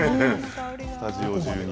スタジオ中に。